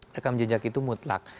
rekam jejak itu mutlak